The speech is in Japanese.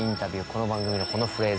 この番組のこのフレーズ